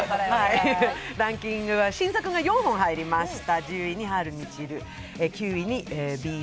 ランキングは新作が４本入りました。